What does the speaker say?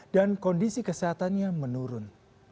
dan kondisi kesehatannya menurun